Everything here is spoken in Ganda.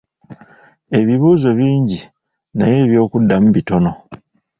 Ebibuuzo bingi naye eby'okuddamu bitono.